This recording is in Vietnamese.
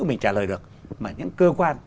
mình trả lời được mà những cơ quan